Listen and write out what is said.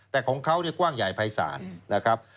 แต่ของเขากว้างใหญ่ภายศาลนะครับ